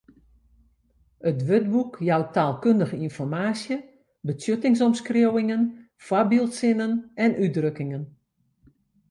It wurdboek jout taalkundige ynformaasje, betsjuttingsomskriuwingen, foarbyldsinnen en útdrukkingen.